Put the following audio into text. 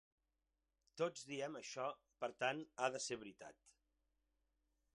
Tots diem això; per tant, ha de ser veritat.